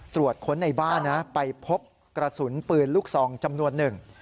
ตรวจค้นในบ้านนะไปพบกระสุนปืนลูกซองจำนวนหนึ่ง